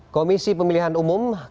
komisi pemilihan umum kpu